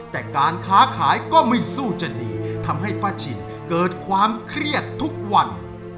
แต่การค้าขายก็ไม่สู้จะดีทำให้ป้าฉินเกิดความเครียดทุกวัน